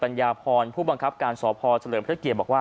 ฐานด้านของพันธุ์ตำรวจเอกสมชัยโสพลปัญญาพรผู้บังคับการสอบพอเสลิมพระเกียร์บอกว่า